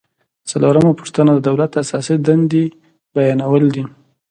څلورمه پوښتنه د دولت اساسي دندې بیانول دي.